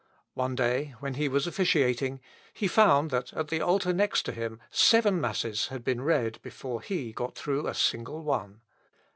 One day when he was officiating, he found that at the altar next to him seven masses had been read before he got through a single one.